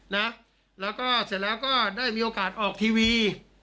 นะแล้วก็เสร็จแล้วก็ได้มีโอกาสออกทีวี